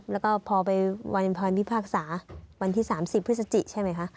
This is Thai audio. แล้วก็พอไปวันพรพิพากษาวันที่๓๐พฤศจิใช่ไหมคะ